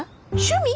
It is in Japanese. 趣味？